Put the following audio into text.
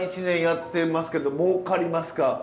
１年やってますけどもうかりますか？